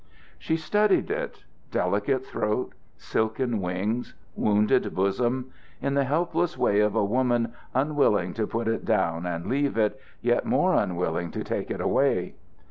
She studied it delicate throat, silken wings, wounded bosom in the helpless way of a woman, unwilling to put it down and leave it, yet more unwilling to take it away.